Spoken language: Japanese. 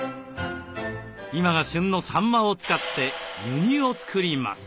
今が旬のサンマを使って湯煮を作ります。